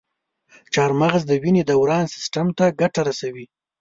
چارمغز د وینې دوران سیستم ته ګټه رسوي.